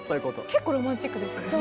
結構ロマンチックですよね。